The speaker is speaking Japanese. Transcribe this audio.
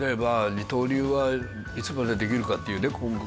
二刀流はいつまでできるかっていうね今後。